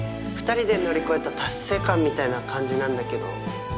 ２人で乗り越えた達成感みたいな感じなんだけど。